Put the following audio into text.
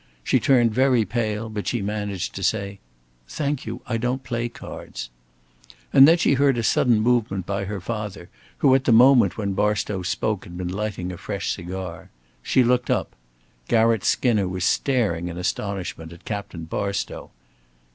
She turned very pale, but she managed to say: "Thank you. I don't play cards." And then she heard a sudden movement by her father, who at the moment when Barstow spoke had been lighting a fresh cigar. She looked up. Garratt Skinner was staring in astonishment at Captain Barstow.